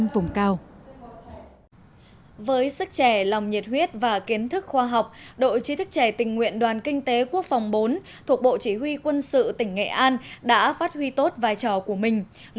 với sức trẻ lòng nhiệt huyết và kiến thức khoa học đội trí thức trẻ tình nguyện đoàn kinh tế quốc phòng bốn thuộc bộ chỉ huy quân sự tỉnh nghệ an đã phát huy tốt vai trò của mình